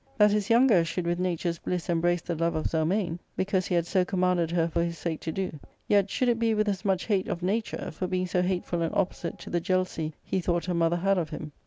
That his \\ younger should with nature's bliss embrace the love of Zel \ mane, because he had so comnianded her for his sake to do ; yet should it be with as much hate of nature, for being so hateful an opposite to the jealousy he thought her mother had of him.